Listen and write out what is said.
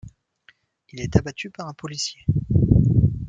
Il est abattu par un policier.